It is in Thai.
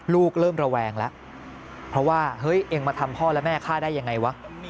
เริ่มระแวงแล้วเพราะว่าเฮ้ยเองมาทำพ่อและแม่ฆ่าได้ยังไงวะ